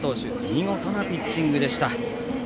見事なピッチングでした。